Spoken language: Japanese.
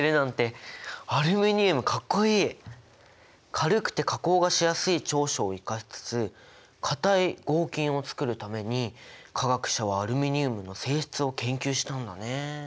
軽くて加工がしやすい長所を生かしつつ硬い合金をつくるために化学者はアルミニウムの性質を研究したんだね。